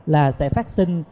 là sẽ phát sinh